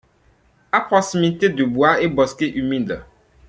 À proximité de bois et bosquets humides.